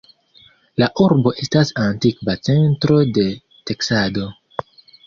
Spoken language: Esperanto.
La urbo estas antikva centro de teksado.